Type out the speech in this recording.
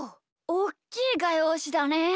おっきいがようしだねえ！